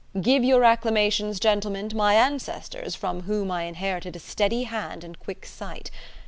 'Give your acclamations, gentlemen, to my ancestors, from whom I inherited a steady hand and quick sight.'